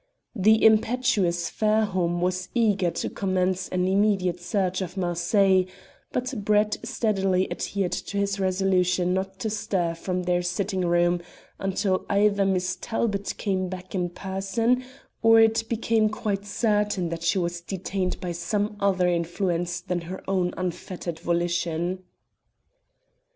The impetuous Fairholme was eager to commence an immediate search of Marseilles, but Brett steadily adhered to his resolution not to stir from their sitting room until either Miss Talbot came back in person or it became quite certain that she was detained by some other influence than her own unfettered volition.